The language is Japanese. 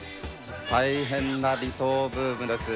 大変な離島ブームです。